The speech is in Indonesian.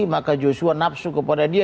maka joshua nafsu kepada dia